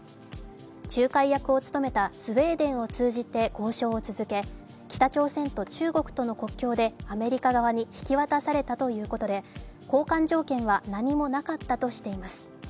仲介役を務めたスウェーデンを通じて交渉を続け北朝鮮と中国との国境でアメリカ側に引き渡されたということで交換条件は何もなかったとしています。